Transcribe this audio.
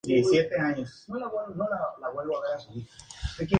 La cama de una mujer era propia suya.